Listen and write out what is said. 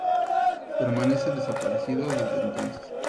Permanece desaparecido desde entonces.